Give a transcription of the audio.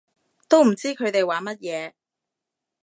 都唔知佢哋玩乜嘢